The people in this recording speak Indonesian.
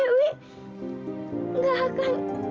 lara masih kangen